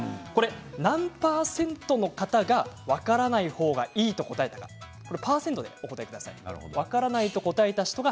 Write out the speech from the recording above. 何％の方が分からない方がいいと答えたか％で答えてください。